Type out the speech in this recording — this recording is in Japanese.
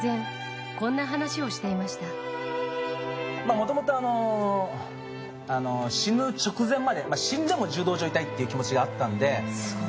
もともと、死ぬ直前まで、死んでも柔道場いたいって気持ちがあったんで。